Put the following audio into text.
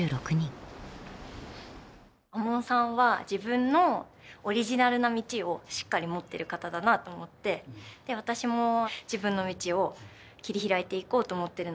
亞門さんは自分のオリジナルな道をしっかり持ってる方だなと思って私も自分の道を切り開いていこうと思ってるので。